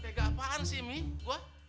tega apaan sih miss gue